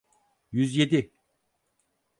Yüz yedi.